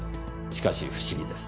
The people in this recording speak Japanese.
しかし不思議です。